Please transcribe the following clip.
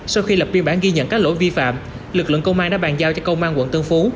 sau khi lập biên bản ghi nhận các lỗi vi phạm lực lượng công an đã bàn giao cho công an quận tân phú